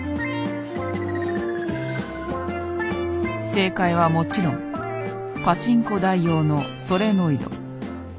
正解はもちろんパチンコ台用のソレノイド。